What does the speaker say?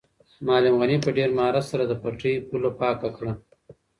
معلم غني په ډېر مهارت سره د پټي پوله پاکه کړه.